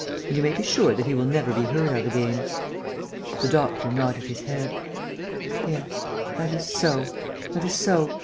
And you may be sure that he will never be heard of again." The doctor nodded his head: "Yes ... that is so ... that is so ...